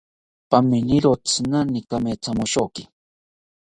Paminiro tzinani kamethamoshoki